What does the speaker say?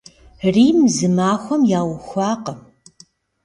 Рим зы махуэм яухуакъым.